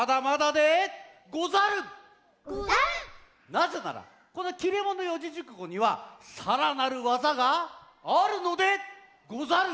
なぜならこの「切れ者四字熟語」にはさらなるわざがあるのでござる！